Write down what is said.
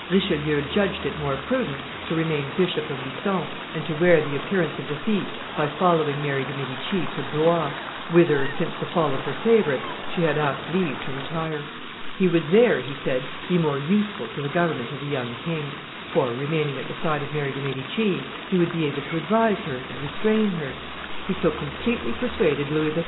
Richelieu judged it more prudent to remain Bishop of Lucon and to wear the appearance of defeat by following Mary de' Medici to Blois, whither, since the fall of her favorites, she had asked leave to retire. He would there, he said, be more useful to the government of the young king; for, remaining at the side of Mary de' Medici, he would be able to advise her and restrain her. He so completely persuaded Louis XIII.